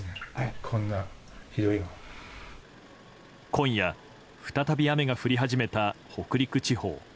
今夜、再び雨が降り始めた北陸地方。